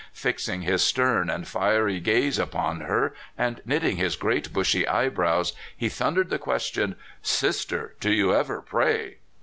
Fixing his stern and fiery gaze upon her, and knitting his great bushy eyebrows, he thundered the question: ''Sister, do you ever pray?"